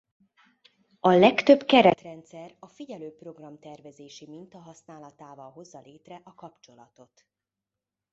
A legtöbb keretrendszer a figyelő programtervezési minta használatával hozza létre a kapcsolatot.